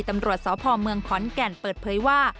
ตำรวจสพเมืองขอนแก่นเปิดเผยว่า